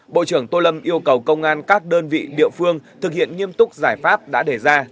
bộ trưởng tô lâm yêu cầu công an các đơn vị địa phương thực hiện nghiêm túc giải pháp đã đề ra